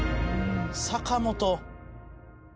「坂本」